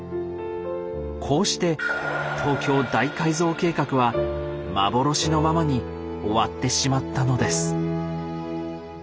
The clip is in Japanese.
こうして東京大改造計画は幻のままに終わってしまったのです。